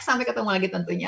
sampai ketemu lagi tentunya